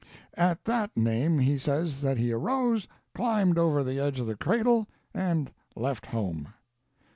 At that name he says that he arose, climbed over the edge of the cradle, and left home.